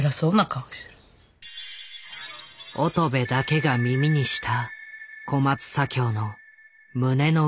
乙部だけが耳にした小松左京の胸の内とは。